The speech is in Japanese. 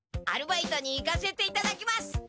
アルバイトに行かせていただきます。